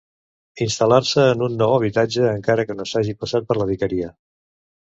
Instal·lar-se en un nou habitatge encara que no s'hagi passat per la vicaria.